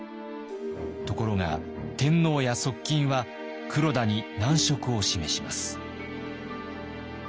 ところが天皇や側近は黒田に難色を示します。